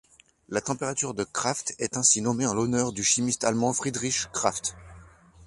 La température de Krafft est ainsi nommée en l'honneur du chimiste allemand Friedrich Krafft.